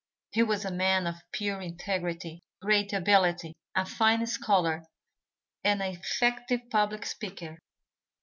He was a man of pure integrity, great ability, a fine scholar and an effective public speaker.